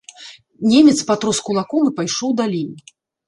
Немец патрос кулаком і пайшоў далей.